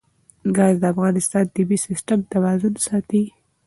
ګاز د افغانستان د طبعي سیسټم توازن ساتي.